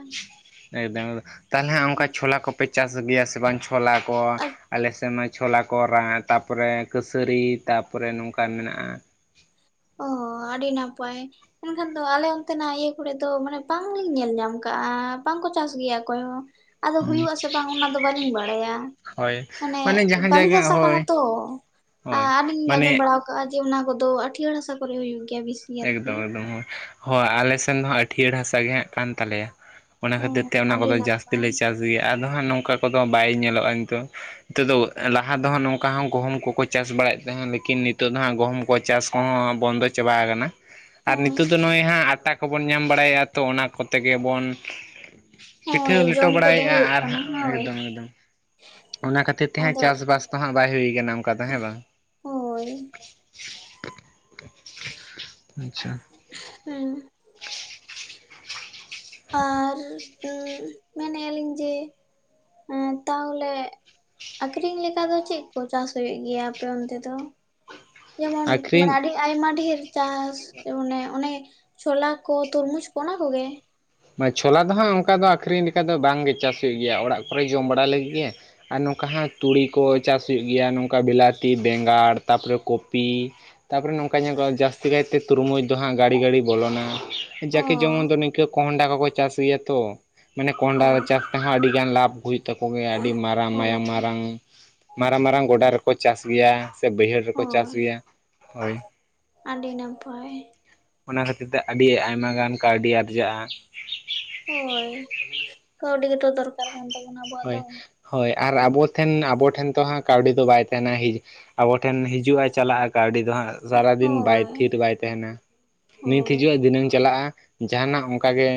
ᱮᱠᱫᱚᱢ ᱛᱟᱦᱞᱮ ᱦᱮᱜ ᱚᱱᱠᱟ ᱪᱷᱳᱞᱟ ᱠᱚᱯᱮ ᱪᱟᱥ ᱜᱮᱭᱟ ᱥᱮ ᱵᱟᱝ? ᱪᱷᱚᱞᱟ ᱠᱚ ᱟᱞᱮᱥᱮᱫ ᱢᱟ ᱪᱷᱚᱞᱟ ᱠᱚ ᱨᱟᱜ ᱛᱟᱯᱚᱨᱮ ᱠᱟᱹᱥᱟᱹᱨᱤ ᱛᱟᱯᱚᱨᱮ ᱱᱚᱝᱠᱟ ᱢᱮᱱᱟᱜᱼᱟ ᱚᱻ ᱟᱹᱰᱤ ᱱᱟᱯᱟᱭ᱾ ᱮᱱᱠᱷᱟᱱ ᱫᱚ ᱟᱞᱮ ᱚᱱᱛᱮᱱᱟᱜ ᱤᱭᱟᱹ ᱠᱚᱨᱮ ᱫᱚ ᱢᱟᱱᱮ ᱵᱟᱝᱞᱤᱧ ᱧᱮᱞ ᱧᱟᱢ ᱠᱟᱜᱼᱟ ᱵᱟᱝᱠᱚ ᱪᱟᱥ ᱜᱮᱭᱟ ᱚᱠᱚᱭ ᱦᱚᱸ᱾ ᱟᱫᱚ ᱦᱩᱭᱩᱜ ᱟᱥᱮ ᱵᱟᱝ ᱚᱱᱟᱫᱚ ᱵᱟᱟᱹᱞᱤᱧ ᱵᱟᱲᱟᱭᱟ᱾ ᱦᱳᱭ ᱢᱟᱱᱮ ᱡᱟᱦᱟᱸ ᱵᱟᱹᱞᱤ ᱡᱟᱭᱜᱟ ᱦᱟᱥᱟ ᱠᱟᱱᱟ ᱦᱳᱭ ᱛᱚ ᱦᱳᱭ ᱟᱹᱰᱤᱧ ᱟᱸᱡᱚᱢ ᱢᱟᱱᱮ ᱵᱟᱲᱟ ᱠᱟᱜᱼᱟ ᱡᱮ ᱚᱱᱟ ᱠᱚᱫᱚ ᱟᱴᱤᱭᱟᱹᱲᱥᱟ ᱠᱚᱨᱮ ᱦᱩᱭᱩᱜ ᱜᱮᱭᱟ ᱵᱤᱥ ᱮᱠᱫᱚᱢ ᱮᱠᱫᱚᱢ ᱦᱳᱭ ᱦᱳᱭ ᱟᱞᱮ ᱥᱮᱱ ᱫᱚ ᱦᱟᱸᱜ ᱟᱹᱴᱭᱟᱹᱲ ᱦᱟᱥᱟ ᱜᱮ ᱦᱟᱸᱜ ᱠᱟᱱ ᱛᱟᱞᱮᱭᱟ᱾ ᱚᱱᱟ ᱚ ᱠᱷᱟᱹᱛᱤᱨ ᱛᱮ ᱚᱱᱟ ᱟᱹᱰᱤ ᱠᱚᱫᱚ ᱡᱟᱹᱥᱛᱤ ᱱᱟᱯᱟᱭ ᱞᱮ ᱪᱟᱥ ᱜᱮᱭᱟ, ᱟᱫᱚ ᱦᱟᱸᱜ ᱱᱚᱝᱠᱟ ᱠᱚᱫᱚ ᱵᱟᱭ ᱧᱮᱞᱚᱜᱼᱟ ᱱᱤᱛᱚᱜ᱾ ᱱᱤᱛᱚᱜ ᱫᱚ ᱞᱟᱦᱟ ᱫᱚ ᱦᱟᱸᱜ ᱱᱚᱝᱠᱟ ᱦᱚᱸ ᱜᱚᱦᱩᱢ ᱠᱚᱠᱚ ᱪᱟᱥ ᱵᱟᱲᱟᱭᱮᱫ ᱛᱟᱦᱮᱸᱫ, ᱞᱮᱠᱤᱱ ᱱᱤᱛᱚᱜᱜ ᱫᱚ ᱦᱟᱸᱜ ᱜᱚᱦᱩᱢ ᱠᱚ ᱪᱟᱥ ᱠᱚᱦᱚᱸ ᱵᱚᱱᱫᱚ ᱪᱟᱵᱟ ᱟᱠᱟᱱᱟ᱾ ᱟᱨ ᱦᱳᱭ ᱱᱤᱛᱚᱜ ᱫᱚ ᱱᱚᱜᱼᱚᱭ ᱦᱟᱸᱜ ᱟᱴᱟ ᱠᱚᱵᱚᱱ ᱧᱟᱢ ᱵᱟᱲᱟᱭᱟ ᱛᱚ ᱚᱱᱟ ᱠᱚᱛᱮ ᱜᱮ ᱵᱚᱱ ᱯᱤᱴᱷᱟᱹ ᱦᱳᱭ ᱞᱮᱴᱚ ᱡᱚᱢ ᱠᱚᱫᱚ ᱵᱟᱲᱟᱭᱮᱫᱼᱟ ᱦᱩᱭᱩᱜ ᱟᱨ ᱠᱟᱱᱟ ᱦᱟᱸᱜ ᱦᱳᱭ ᱮᱠᱫᱚᱢ ᱮᱠᱫᱚᱢ, ᱚᱱᱟ ᱠᱷᱟᱹᱛᱤᱨ ᱛᱮ ᱦᱟᱸᱜ ᱟᱫᱚ ᱪᱟᱥᱵᱟᱥ ᱛᱚ ᱦᱟᱸᱜ ᱵᱟᱭ ᱦᱩᱭᱟᱠᱟᱱᱟ ᱚᱱᱠᱟ ᱫᱚ ᱦᱮᱸ ᱵᱟᱝ? ᱦᱳᱭ᱾ ᱟᱪᱪᱷᱟ᱾ [unintelligible] ᱟᱨ ᱢᱮᱱᱮᱜᱼᱟ ᱞᱤᱧ ᱡᱮ ᱮᱸ ᱛᱟᱦᱚᱞᱮ ᱟᱠᱷᱨᱤᱧ ᱞᱮᱠᱟ ᱫᱚ ᱪᱮᱜ ᱠᱚ ᱪᱟᱥ ᱦᱳᱭᱳᱜ ᱜᱮᱭᱟ ᱟᱯᱮ ᱚᱱᱛᱮ ᱫᱚ? ᱡᱮᱢᱚᱱ ᱢᱟᱱᱮ ᱟᱠᱷᱨᱤᱧ ᱟᱹᱰᱤ ᱟᱭᱢᱟ ᱰᱷᱮᱨ ᱪᱟᱥ ᱚᱱᱮ ᱚᱱᱮ ᱪᱷᱚᱞᱟ ᱠᱚ ᱛᱳᱨᱢᱩᱡᱽ ᱠᱚ ᱚᱱᱟ ᱠᱚᱜᱮ? ᱵᱟ ᱪᱷᱳᱞᱟ ᱫᱚ ᱦᱟᱸᱜ ᱚᱝᱠᱟ ᱫᱚ ᱟᱹᱷᱨᱤᱧ ᱞᱮᱠᱟ ᱫᱚ ᱵᱟᱝᱜᱮ ᱪᱟᱥ ᱦᱩᱭᱩᱜ ᱜᱮᱭᱟ ᱚᱲᱟᱜ ᱠᱚᱨᱮ ᱡᱚᱢ ᱵᱟᱲᱟ ᱞᱟᱹᱜᱤᱜ ᱜᱮ᱾ ᱟᱨ ᱱᱚᱝᱠᱟ ᱦᱟᱸᱜ ᱛᱩᱲᱤ ᱠᱚ ᱪᱟᱥ ᱦᱩᱭᱩᱜ ᱜᱮᱭᱟ ᱱᱚᱝᱠᱟ ᱵᱤᱞᱟᱹᱛᱤ ᱵᱮᱸᱜᱟᱲ ᱛᱟᱨᱯᱚᱨᱮ ᱠᱚᱯᱤ ᱛᱟᱯᱚᱨᱮ ᱱᱚᱝᱠᱟ ᱧᱮᱜᱚᱜᱼᱟ ᱡᱟᱹᱥᱛᱤ ᱠᱟᱭᱛᱮ ᱛᱩᱨᱢᱩᱡᱽ ᱫᱚ ᱦᱟᱸᱜ ᱜᱟᱹᱤ ᱜᱟᱹᱲᱤ ᱵᱚᱞᱚᱱᱟ᱾ ᱚ ᱡᱟᱠᱮ ᱡᱮᱢᱚᱱ ᱫᱚ ᱱᱤᱝᱠᱟᱹ ᱠᱚᱸᱰᱷᱟ ᱠᱚᱠᱚ ᱪᱟᱥ ᱜᱮᱭᱟ ᱛᱚ ᱢᱟᱱᱮ ᱚ ᱠᱚᱸᱰᱷᱟ ᱪᱟᱥ ᱛᱮᱦᱚᱸ ᱟᱹᱰᱤᱜᱟᱱ ᱞᱟᱵᱷ ᱦᱩᱭᱩᱜ ᱛᱟᱠᱚ ᱜᱮᱭᱟ ᱟᱹᱰᱤ ᱢᱟᱨᱟᱝ ᱢᱟᱭᱟᱢ ᱦᱳᱭ ᱢᱟᱨᱟᱝ ᱢᱟᱨᱟᱝ ᱢᱟᱨᱟᱝ ᱜᱚᱰᱟ ᱨᱮᱠᱚ ᱠᱚ ᱪᱟᱥ ᱜᱮᱭᱟ᱾ ᱛᱮ ᱵᱟᱹᱭᱦᱟᱹᱲ ᱨᱮᱠᱚ ᱪᱟᱥ ᱦᱳᱭ ᱜᱮᱭᱟ ᱦᱳᱭ᱾ ᱟᱹᱰᱤ ᱱᱟᱯᱟᱭ ᱚᱱᱟ ᱠᱷᱟᱹᱛᱤᱨ ᱛᱮ ᱟᱹᱰᱤ ᱟᱭᱢᱟ ᱜᱟᱱ ᱠᱟᱹᱣᱰᱤ ᱟᱨᱡᱟᱜᱼᱟ᱾ ᱦᱳᱭ᱾ ᱠᱟᱹᱣᱰᱤ ᱜᱮᱛᱚ ᱫᱚᱠᱟᱨ ᱠᱟᱱ ᱛᱟᱵᱚᱱᱟ ᱟᱵᱚ᱾ ᱦᱳᱭ ᱦᱳᱭ ᱟᱨ ᱟᱵᱚ ᱴᱷᱮᱱ ᱟᱵᱚ ᱴᱷᱮᱱ ᱛᱚ ᱦᱟᱸᱜ ᱠᱟᱹᱣᱰᱤ ᱫᱚ ᱵᱟᱭ ᱛᱟᱦᱮᱱᱟ, ᱦᱤᱡ ᱟᱵᱚ ᱴᱷᱮᱱ ᱦᱤᱡᱩᱜᱼᱟ ᱪᱟᱞᱟᱜᱼᱟ ᱠᱟᱹᱣᱰᱤ ᱫᱚ ᱦᱟᱸᱜ᱾ ᱥᱟᱨᱟᱫᱤᱱ ᱵᱟᱭ ᱦᱳᱭ ᱛᱷᱤᱨ ᱵᱟᱭ ᱛᱟᱦᱮᱱᱟ, ᱱᱤᱛ ᱦᱳᱭ ᱦᱤᱡᱩᱜᱼᱟ ᱫᱷᱤᱱᱟᱹᱝ ᱪᱟᱞᱟᱜᱼᱟ᱾ ᱡᱟᱦᱟᱱᱟᱜ ᱚᱝᱠᱟ ᱜᱮ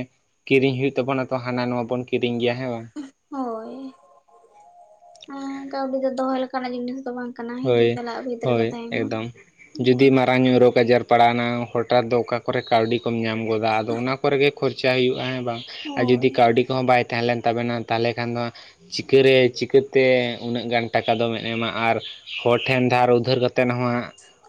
ᱠᱤᱨᱤᱧ ᱦᱩᱭᱩᱜ ᱛᱟᱵᱚᱱᱟ, ᱛᱚ ᱦᱟᱱᱟ ᱱᱚᱣᱟ ᱵᱚᱱ ᱠᱤᱨᱤᱧ ᱜᱮᱭᱟ ᱦᱮᱸ ᱵᱟᱝ? ᱦᱳᱭ ᱠᱟᱹᱣᱰᱤ ᱫᱚ ᱫᱚᱦᱚ ᱞᱮᱠᱟᱱᱟᱜ ᱡᱤᱱᱤᱥ ᱫᱚ ᱵᱟᱝ ᱠᱟᱱᱟ ᱦᱳᱭ ᱦᱤᱡᱩᱜ ᱪᱟᱞᱟᱜ ᱵᱷᱤᱛ ᱨᱮᱜᱮ ᱦᱳᱭ ᱛᱟᱦᱮᱱᱟ ᱮᱠᱫᱚᱢ ᱡᱩᱫᱤ ᱦᱳᱭ ᱢᱟᱨᱟᱝ ᱧᱚᱜ ᱨᱳᱜᱽ ᱟᱡᱟᱨ ᱯᱟᱲᱟᱣᱱᱟ ᱦᱚᱴᱟᱛ ᱫᱚ ᱚᱠᱟ ᱠᱚᱨᱮ ᱠᱟᱹᱣᱰᱤ ᱠᱚᱢ ᱧᱟᱢ ᱜᱚᱫᱟ? ᱟᱫᱚ ᱚᱱᱟ ᱠᱚᱨᱮ ᱜᱮ ᱠᱷᱚᱨᱪᱟᱭ ᱦᱩᱭᱩᱜᱼᱟ ᱦᱮᱸ ᱵᱟᱝ ᱟᱨ ᱡᱩᱫᱤ ᱦᱳᱭ ᱠᱟᱹᱣᱰᱤ ᱠᱚᱦᱚᱸ ᱵᱟᱭ ᱛᱮᱦᱮᱸ ᱞᱮᱱ ᱛᱟᱵᱮᱱᱟ ᱛᱟᱦᱚᱞᱮ ᱠᱷᱟᱱ ᱫᱚ ᱪᱤᱠᱟᱹᱨᱮ ᱪᱤᱠᱟᱹᱛᱮ ᱩᱱᱟᱹᱜ ᱜᱟᱱ ᱴᱟᱠᱟ ᱫᱚᱢᱮᱱ ᱮᱢᱟ ᱟᱨ ᱦᱚᱨ ᱴᱷᱮᱱ ᱫᱷᱟᱨ ᱩᱫᱷᱟᱹᱨ ᱠᱟᱛᱮᱫ ᱦᱚᱸ ᱦᱟᱸᱜ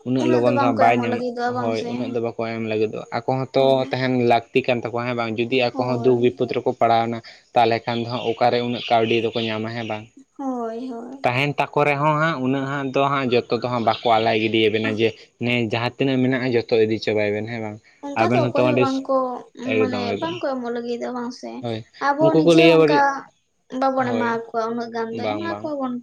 ᱩᱱᱟᱹᱜ ᱞᱚᱜᱚᱱ ᱫᱚ ᱦᱟᱸᱜ ᱵᱟᱝᱠᱚ ᱵᱟᱭ ᱮᱢᱚᱜ ᱧᱟᱢᱚᱜ ᱞᱟᱹᱜᱤᱫᱚᱜᱼᱟ ᱵᱟᱝ ᱦᱳᱭ ᱥᱮ ᱩᱱᱟᱹᱜ ᱫᱚ ᱵᱟ ᱠᱚ ᱮᱢ ᱞᱟᱹᱜᱤᱫᱚᱜᱼᱟ, ᱟᱠᱚ ᱦᱚᱸᱛᱚ ᱦᱳᱭ ᱛᱟᱦᱮᱱ ᱞᱟᱹᱠ ᱛᱤ ᱠᱟᱱ ᱛᱟᱠᱚᱣᱟ ᱦᱮᱸ ᱵᱟᱝ ᱡᱩᱫᱤ ᱟᱠᱚ ᱦᱚᱸ ᱫᱩᱠ ᱦᱳᱭ ᱵᱤᱯᱚᱫᱽ ᱨᱮᱠᱚ ᱯᱟᱲᱟᱣᱱᱟ ᱛᱟᱦᱚᱞᱮ ᱠᱷᱟᱱ ᱫᱚ ᱦᱚᱸᱜ ᱚᱠᱟᱨᱮ ᱩᱱᱟᱹᱜ ᱠᱟᱹᱣᱰᱤ ᱫᱚᱠᱚ ᱧᱟᱢᱟ ᱦᱮᱸ ᱵᱟᱝ? ᱦᱳᱭ ᱦᱳᱭ ᱛᱟᱦᱮᱱ ᱛᱟᱠᱚ ᱨᱮᱦᱚᱸ ᱦᱟᱸᱜ ᱩᱱᱟᱹᱜ ᱦᱟᱸᱜ ᱫᱚ ᱦᱟᱸᱜ ᱡᱚᱛᱚ ᱫᱚ ᱦᱟᱸᱜ ᱵᱟᱠᱚ ᱟᱞᱟᱭ ᱜᱤᱰᱤᱭᱟᱵᱮᱱᱟ ᱡᱮ ᱱᱮ ᱡᱟᱦᱟᱸ ᱛᱤᱱᱟᱹᱜ ᱢᱮᱱᱟᱜᱼᱟ ᱡᱷᱚᱛᱚ ᱤᱫᱤᱭ ᱪᱟᱵᱟᱭ ᱵᱮᱱ ᱦᱮᱸ ᱵᱟᱝ᱾ ᱚᱝᱠᱟ ᱫᱚ ᱟᱵᱮᱱ ᱦᱚᱸᱛᱚ ᱚᱠᱚᱭ ᱦᱚᱸ ᱟᱹᱰᱤ ᱵᱟᱝᱠᱚ, ᱢᱟᱱᱮ ᱮᱠᱫᱚᱢ ᱮᱠᱫᱚᱢ ᱵᱟᱝᱠᱚ ᱮᱢᱚᱜ ᱞᱟᱹᱜᱤᱫᱟ ᱵᱟᱝ ᱥᱮ᱾ ᱦᱳᱭ ᱟᱵᱚ ᱩᱱᱠᱩ ᱠᱚ ᱱᱤᱡᱮ ᱦᱚᱸ ᱞᱟᱹᱭᱟ ᱚᱝᱠᱟ ᱵᱟᱹᱲᱤᱡ ᱵᱟᱵᱚᱱ ᱦᱳᱭ ᱮᱢᱟᱠᱚᱣᱟ ᱩᱱᱟᱹᱜ ᱜᱟᱱ ᱫᱚ ᱵᱟᱝ ᱵᱟᱝ ᱮᱢᱟᱣᱟᱠᱚᱣᱟ ᱵᱚᱱ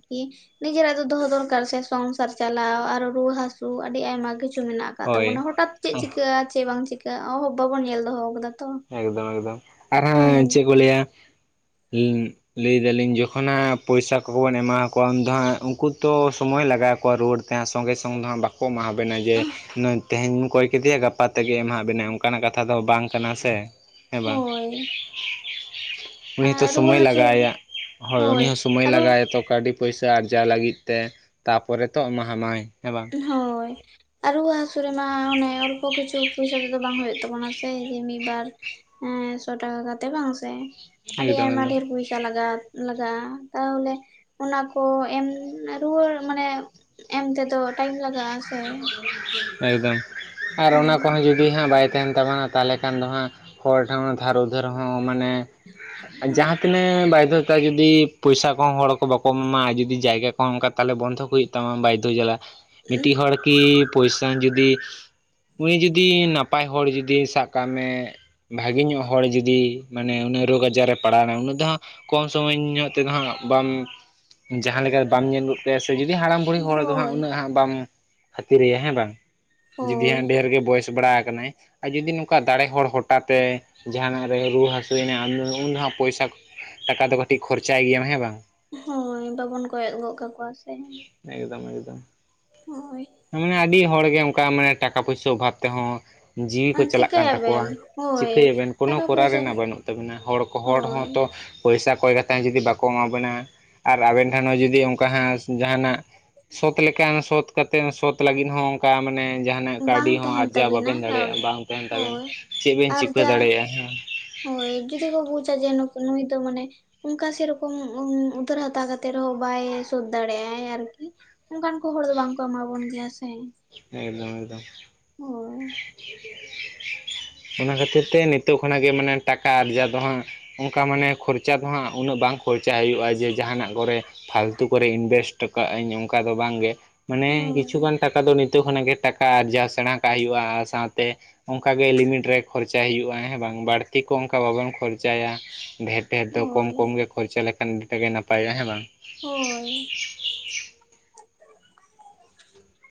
ᱱᱤᱡᱮᱨᱟᱜ ᱫᱚ ᱫᱚᱦᱚ ᱫᱚᱨᱠᱟᱨ ᱥᱮ ᱥᱚᱝᱥᱟᱨ ᱪᱟᱞᱟᱣ ᱟᱨᱚ ᱨᱩᱣᱟᱹ ᱦᱟᱹᱥᱩ ᱟᱹᱰᱤ ᱟᱭᱢᱟ ᱠᱤᱪᱷᱩ᱾ ᱢᱮᱱᱟᱜ ᱟᱠᱟᱫ ᱦᱳᱭ ᱛᱟᱵᱚᱱᱟ ᱦᱚᱴᱟᱛ ᱪᱮᱜ ᱪᱤᱠᱟᱹᱜᱼᱟ ᱪᱮᱜ ᱵᱟᱝ ᱪᱤᱠᱟᱹᱜ-ᱟ ᱚᱦᱚ ᱵᱟᱵᱚᱱ ᱧᱮᱞ ᱫᱚᱦᱚᱣᱟᱠᱟᱫᱟ ᱛᱚ᱾ ᱮᱠᱫᱚᱢ ᱮᱠᱫᱚᱢ ᱟᱨ ᱦᱟᱸ ᱦᱳᱭ ᱪᱮᱜ ᱠᱚ ᱞᱟᱹᱭᱟ ᱩᱸᱜ ᱞᱟᱹᱭᱫᱟᱞᱤᱧ ᱡᱚᱠᱷᱚᱱ ᱦᱟᱸᱜ ᱯᱚᱭᱥᱟ ᱠᱚᱵᱚᱱ ᱮᱢᱟᱠᱚᱣᱟ ᱩᱱ ᱫᱚ ᱦᱟᱸᱜ ᱩᱝᱠᱩ ᱛᱚ ᱥᱚᱢᱚᱭ ᱞᱟᱜᱟᱣ ᱟᱠᱚᱣᱟ ᱨᱩᱣᱟᱹᱲ ᱛᱮ ᱥᱚᱸᱜᱮ ᱥᱚᱝ ᱫᱚ ᱦᱟᱸᱜ ᱵᱟ ᱠᱚ ᱮᱢᱟ ᱦᱟᱵᱮᱱᱟ ᱡᱮ ᱛᱮᱦᱮᱧ ᱢᱚ ᱠᱚᱭ ᱠᱮᱫᱮᱭᱟ ᱜᱟᱯᱟ ᱛᱮᱜᱮ ᱮᱢᱟᱦᱟᱜ ᱵᱮᱱᱟᱭ ᱚᱝᱠᱟᱱᱟᱜ ᱠᱟᱛᱷᱟ ᱫᱚ ᱵᱟᱝ ᱠᱟᱱᱟ ᱥᱮ, ᱦᱮᱸ ᱵᱟᱝ? ᱦᱳᱭ ᱩᱱᱤ ᱦᱚᱸᱛᱚ ᱟᱨ ᱨᱩᱣᱟᱹ ᱥᱚᱢᱚᱭ ᱦᱟᱹᱥᱩ ᱞᱟᱜᱟᱣ ᱟᱭᱟ ᱦᱳᱭ ᱩᱱᱤ ᱦᱚᱸ ᱥᱚᱢᱚᱭ ᱞᱟᱜᱟᱣ ᱟᱭᱟ ᱛᱚ ᱠᱟᱹᱣᱰᱤ ᱯᱚᱭᱥᱟᱹ ᱟᱨᱡᱟᱣ ᱞᱟᱹᱜᱤᱫ ᱛᱮ ᱛᱟᱯᱚᱨᱮ ᱛᱚ ᱮᱢᱟ ᱦᱟᱢᱟᱭ᱾ ᱦᱳᱭ᱾ ᱟᱨ ᱨᱩᱣᱟᱹ ᱦᱟᱹᱥᱩ ᱨᱮᱢᱟ ᱚᱱᱮ ᱚᱞᱯᱚ ᱠᱤᱪᱷᱩ ᱯᱚᱭᱥᱟ ᱛᱮᱫᱚ ᱵᱟᱝ ᱦᱳᱭᱳᱜ ᱛᱟᱵᱚᱱᱟ ᱥᱮ ᱡᱮ ᱢᱤᱜ-ᱵᱟᱨ ᱦᱮᱸ ᱥᱚ ᱴᱟᱠᱟ ᱠᱟᱛᱮ ᱵᱟᱝ ᱥᱮ ᱟᱹᱰᱤ ᱮᱠᱫᱚᱢ ᱟᱭᱢᱟ ᱮᱠᱫᱚᱢ ᱰᱷᱮᱨ ᱯᱚᱭᱥᱟ ᱞᱟᱜᱟᱜ-ᱟ᱾ ᱞᱟᱜᱟᱜᱼᱟ ᱛᱟᱦᱚᱞᱮ ᱚᱱᱟ ᱠᱚ ᱮᱢ ᱨᱩᱣᱟᱹᱲ ᱢᱟᱱᱮ ᱮᱢ ᱛᱮᱫᱚ ᱴᱟᱭᱤᱢ ᱞᱟᱜᱟᱜᱼᱟ ᱥᱮ᱾ ᱮᱠᱫᱚᱢ ᱟᱨ ᱚᱱᱟ ᱠᱚᱦᱚᱸ ᱦᱳᱭ ᱡᱩ ᱡᱩᱫᱤ ᱦᱟᱸᱜ ᱵᱟᱭ ᱛᱟᱦᱮᱱ ᱛᱟᱢᱟ ᱛᱟᱦᱞᱮ ᱠᱷᱟᱱ ᱫᱚ ᱦᱟᱸᱜ ᱦᱚᱲ ᱴᱷᱮᱱ ᱫᱷᱟᱨ ᱩᱫᱷᱟᱹᱨ ᱦᱚᱸ ᱢᱟᱱᱮ ᱡᱟᱦᱟᱸ ᱛᱤᱱᱟᱹᱜ ᱵᱟᱭᱫᱷᱚ ᱡᱟᱸᱦᱟᱭ ᱡᱩᱫᱤ ᱯᱚᱭᱥᱟᱹ ᱠᱚᱦᱚᱸ ᱦᱚᱲ ᱠᱚ ᱵᱟᱠᱚ ᱮᱢᱟᱢᱟ ᱟᱨ ᱡᱩᱫᱤ ᱡᱟᱭᱜᱟ ᱠᱚᱦᱚ ᱛᱟᱦᱚᱞᱮ ᱵᱚᱱᱫᱷᱚᱠ ᱦᱩᱭᱩᱜ ᱛᱟᱢᱟ ᱵᱟᱭᱫᱷᱚ ᱡᱟᱞᱟ᱾ ᱢᱤᱴᱤᱡ ᱦᱚᱲ ᱠᱤ ᱯᱚᱭᱥᱟᱧ ᱡᱩᱫᱤ ᱩᱱᱤ ᱡᱩᱫᱤ ᱱᱟᱯᱟᱭ ᱦᱚᱲ ᱡᱩᱫᱤ ᱥᱟᱵ ᱠᱟᱜ ᱢᱮ ᱵᱷᱟᱜᱮ ᱧᱚᱜ ᱦᱚᱲ ᱡᱩᱫᱤ ᱢᱟᱱᱮ ᱩᱱᱤ ᱨᱳᱜᱽ ᱟᱡᱟᱨ ᱨᱮ ᱯᱟᱲᱟᱣᱱᱟ ᱩᱱᱟᱹᱜ ᱫᱚ ᱦᱟᱸᱜ ᱠᱚᱢ ᱥᱚᱢᱚᱭ ᱧᱚᱜ ᱛᱮᱫᱚ ᱦᱟᱸᱜ ᱵᱟᱢ ᱡᱟᱦᱟᱸ ᱞᱮᱠᱟ ᱵᱟᱢ ᱧᱮᱞᱩᱜ ᱥᱮ ᱡᱩᱫᱤ ᱦᱟᱲᱟᱢ ᱵᱩᱲᱷᱤ ᱦᱚᱲᱫᱚ ᱦᱟᱸᱜ ᱦᱳᱭ ᱩᱱᱟᱹᱜ ᱵᱟᱢ ᱠᱷᱟᱹᱛᱤᱨᱮᱭᱟ ᱦᱮᱸ ᱵᱟᱝ ᱡᱩᱫᱤ ᱦᱳᱭ ᱦᱟᱸᱜ ᱰᱷᱮᱨ ᱜᱮ ᱵᱚᱭᱮᱥ ᱵᱟᱲᱟ ᱟᱠᱟᱱᱟᱭ᱾ ᱟᱨ ᱡᱩᱫᱤ ᱱᱚᱝᱠᱟ ᱫᱟᱲᱮ ᱦᱚᱲ ᱦᱚᱴᱟᱛᱮ ᱡᱟᱦᱟᱱᱟᱜ ᱨᱮ ᱨᱩᱣᱟᱹ ᱦᱟᱹᱥᱩᱭᱮᱱᱟ ᱩᱱ ᱫᱚ ᱦᱟᱸᱜ ᱯᱚᱭᱥᱟ ᱴᱟᱠᱟ ᱫᱚ ᱠᱟᱹᱴᱤᱡ ᱠᱷᱚᱨᱪᱟᱭ ᱜᱮᱭᱟᱢ ᱦᱮᱸ ᱵᱟᱝ? ᱦᱳᱭ ᱵᱟᱵᱚᱱ ᱠᱚᱭᱚᱜ ᱜᱚᱫ ᱠᱟᱠᱚᱣᱟ ᱥᱮ᱾ ᱮᱠᱫᱚᱢ ᱮᱠᱫᱚᱢ᱾ ᱦᱳᱭ᱾ ᱦᱮᱸ, ᱟᱹᱰᱤ ᱦᱚᱲᱜᱮ ᱚᱝᱠᱟ ᱢᱟᱱᱮ ᱴᱟᱠᱟ ᱯᱚᱭᱥᱟᱹ ᱚᱵᱷᱟᱵᱽ ᱛᱮᱦᱚᱸ ᱡᱤᱣᱤ ᱠᱚ ᱟᱨ ᱪᱟᱞᱟᱜ ᱠᱟᱱ ᱛᱟᱠᱚᱣᱟ, ᱪᱤᱠᱟᱹᱭᱟᱵᱮᱱ ᱦᱳᱭ ᱪᱤᱠᱟᱹᱭᱟᱵᱮᱱ ᱠᱳᱱᱳ ᱴᱟᱠᱟ ᱠᱚᱨᱟᱣ ᱯᱚᱭᱥᱟ ᱨᱮᱱᱟᱜ ᱵᱟᱹᱱᱩᱜ ᱛᱟᱵᱤᱱᱟ ᱦᱚᱲ ᱠᱚ ᱦᱚᱲ ᱦᱳᱭ ᱦᱚᱸᱛᱚ ᱯᱚᱭᱥᱟ ᱠᱚᱭ ᱠᱟᱛᱮ ᱦᱚᱸ ᱡᱩᱫᱤ ᱵᱟᱠᱚ ᱮᱢᱟ ᱵᱮᱱᱟ ᱟᱨ ᱟᱵᱮᱱ ᱴᱷᱮᱱ ᱦᱚᱸ ᱡᱩᱫᱤ ᱚᱝᱠᱟ ᱦᱟᱸᱜ ᱡᱟᱸᱦᱟᱱᱟᱜ ᱥᱳᱛ ᱞᱮᱠᱟ ᱥᱳᱛ ᱠᱟᱛᱮ ᱥᱳᱛ ᱞᱟᱹᱜᱤᱫ ᱦᱚᱸ ᱚᱱᱠᱟ ᱢᱟᱱᱮ ᱡᱟᱦᱟᱱᱟᱜ ᱵᱟᱝ ᱠᱟᱹᱣᱰᱤ ᱦᱚᱸ ᱛᱟᱦᱮᱱ ᱟᱨᱡᱟᱣ ᱛᱟᱵᱤᱱᱟ ᱵᱟᱵᱮᱱ ᱠᱟᱹᱣᱰᱤ ᱫᱟᱲᱮᱭᱟᱜᱼᱟ ᱵᱟᱝ ᱛᱟᱦᱮᱱ ᱛᱟᱵᱮᱱᱟ, ᱦᱳᱭ ᱪᱮᱫ ᱵᱮᱱ ᱟᱨ ᱪᱤᱠᱟᱹ ᱡᱟ ᱫᱟᱲᱮᱭᱟᱜᱼᱟ ᱦᱮᱸ᱾ ᱦᱳᱭ ᱡᱩᱫᱤ ᱠᱚ ᱵᱩᱪᱟ ᱡᱮ ᱱᱩᱠ ᱱᱩᱭ ᱫᱚ ᱢᱟᱱᱮ ᱚᱝᱠᱟ ᱥᱮᱨᱚᱠᱚᱢ ᱩᱫᱷᱟᱹᱨ ᱦᱟᱛᱟᱣ ᱠᱟᱛᱮᱫ ᱨᱮᱦᱚᱸ ᱵᱟᱭ ᱥᱳᱫᱷ ᱫᱟᱲᱮᱭᱟᱜ-ᱟᱭ ᱟᱨᱠᱤ᱾ ᱚᱝᱠᱟᱱ ᱠᱚ ᱦᱚᱲ ᱫᱚ ᱵᱟᱝ ᱠᱚ ᱮᱢᱟ ᱵᱚᱱ ᱜᱮᱭᱟ ᱥᱮ᱾ ᱮᱠᱫᱚᱢ ᱮᱠᱫᱚᱢ᱾ ᱦᱳᱭ᱾ ᱚᱱᱟ ᱠᱷᱟᱹᱛᱤᱨ ᱛᱮ ᱱᱤᱛᱳᱜ ᱠᱷᱚᱱᱟᱜ ᱜᱮ ᱢᱟᱱᱮ ᱴᱟᱠᱟ ᱟᱨᱡᱟᱣ ᱫᱚ ᱦᱟᱸᱜ ᱚᱱᱠᱟ ᱢᱟᱱᱮ ᱠᱷᱚᱨᱪᱟ ᱫᱚ ᱦᱟᱸᱜ ᱩᱱᱟᱹᱜ ᱵᱟᱝ ᱠᱷᱚᱨᱪᱟ ᱦᱩᱭᱩᱜᱼᱟ ᱡᱮ ᱡᱟᱸᱦᱟᱱᱟᱜ ᱠᱚᱨᱮ ᱯᱷᱟᱞᱛᱩ ᱠᱚᱨᱮ ᱤᱱᱵᱷᱮᱥᱴ ᱠᱟᱜ-ᱟᱹᱧ ᱚᱱᱠᱟ ᱫᱚ ᱵᱟᱝᱜᱮ᱾ ᱢᱟᱱᱮ ᱦᱳᱭ ᱠᱤᱪᱷᱩᱜᱟᱱ ᱴᱟᱠᱟ ᱫᱚ ᱱᱤᱛᱳᱜ ᱠᱷᱚᱱᱟᱜ ᱜᱮ ᱴᱟᱠᱟ ᱟᱨᱡᱟᱣ ᱥᱮᱬᱟ ᱠᱟᱜ ᱦᱩᱭᱩᱜᱼᱟ, ᱟᱨ ᱥᱟᱶᱛᱮ ᱚᱝᱠᱟᱜᱮ ᱞᱤᱢᱤᱴ ᱨᱮ ᱠᱷᱚᱨᱪᱟᱭ ᱦᱩᱭᱩᱜᱼᱟ ᱦᱮᱸ ᱵᱟᱝ ᱵᱟᱹᱲᱛᱤ ᱠᱚ ᱚᱝᱠᱟ ᱵᱟᱵᱚᱱ ᱠᱷᱚᱨᱪᱟᱭᱟ ᱰᱷᱮᱨ᱾ ᱰᱷᱮᱨ ᱫᱚ ᱠᱚᱢ ᱦᱳᱭ ᱠᱚᱢ ᱜᱮ ᱠᱷᱚᱨᱪᱟ ᱞᱮᱠᱷᱟᱱ ᱟᱹᱰᱤᱴᱟ ᱜᱮ ᱱᱟᱯᱟᱭᱚᱜᱼᱟ ᱦᱮᱸ ᱵᱟᱝ? ᱦᱳᱭ᱾